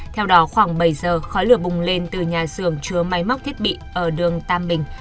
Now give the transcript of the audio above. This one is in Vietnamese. theo đó khoảng bảy giờ khói lửa bùng lên từ nhà xưởng chứa máy móc thiết bị ở đường tam bình